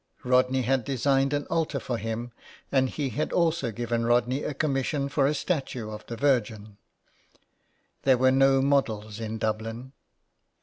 Rodney had designed an altar for him, and he had also given Rodney a commission for a statue of the Virgin. There were no models in Dublin.